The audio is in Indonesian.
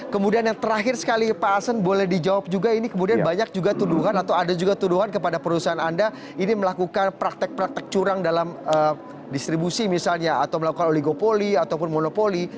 kemudian yang terakhir sekali pak asen boleh dijawab juga ini kemudian banyak juga tuduhan atau ada juga tuduhan kepada perusahaan anda ini melakukan praktek praktek curang dalam distribusi misalnya atau melakukan oligopoli ataupun monopoli